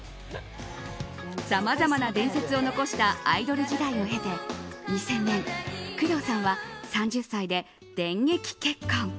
さまざまな伝説を残したアイドル時代を経て２０００年、工藤さんは３０歳で電撃結婚。